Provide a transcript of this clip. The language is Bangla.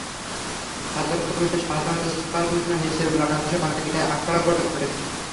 সাধক-ফকিরদের সাধনাস্থান হিসেবে বাংলাদেশে অনেক আখড়া গড়ে ওঠে।